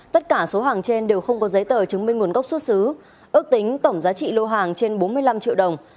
tất cả số hàng trên đều không có giấy tờ chứng minh nguồn gốc xuất xứ ước tính tổng giá trị lô hàng trên bốn mươi năm triệu đồng